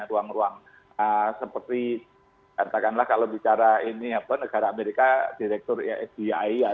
ruang ruang seperti katakanlah kalau bicara negara amerika direktur sdi